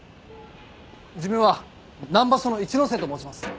自分は南葉署の一ノ瀬と申します。